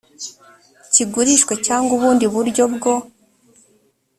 kigurishwe cyangwa ubundi buryo bwo